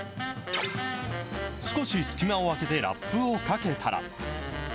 少し隙間を空けてラップをかけたら。